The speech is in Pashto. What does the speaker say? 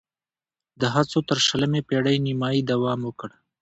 دا هڅو تر شلمې پېړۍ نیمايي دوام وکړ